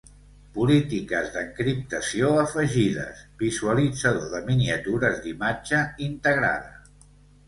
Polítiques d'encriptació afegides, visualitzador de miniatures d'imatge integrada.